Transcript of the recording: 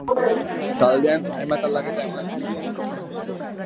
Taldean hainbat aldaketa eman ziren.